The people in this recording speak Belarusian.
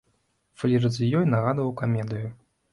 Флірт з ёй нагадваў камедыю.